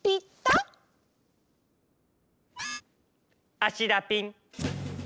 あしだピン。